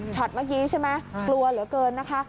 เมื่อกี้ใช่ไหมกลัวเหลือเกินนะคะ